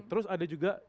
terus ada juga